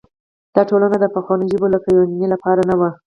دا ټولنه د پخوانیو ژبو لکه یوناني لپاره نه وه.